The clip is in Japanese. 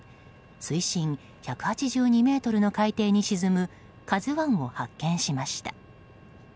水深１８２ｍの海底に沈む「ＫＡＺＵ１」を発見しました。